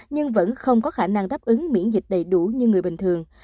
nhưng vẫn không có khả năng đáp ứng miễn dịch đầy đủ như người bình thường